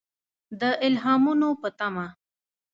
د الهامونو په تمه.